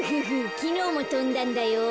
きのうもとんだんだよ。